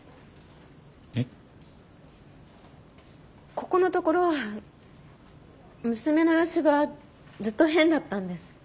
ここのところ娘の様子がずっと変だったんです。